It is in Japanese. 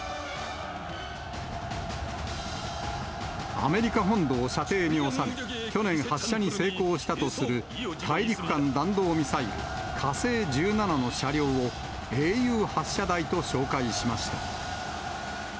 アメリカ本土を射程に収め、去年、発射に成功したとする大陸間弾道ミサイル、火星１７の車両を、英雄発射台と紹介しました。